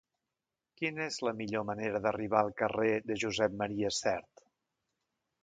Quina és la millor manera d'arribar al carrer de Josep M. Sert?